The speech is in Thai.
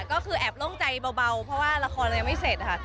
ก็คือแอบโล่งใจเบาเพราะว่าละครยังไม่เสร็จค่ะ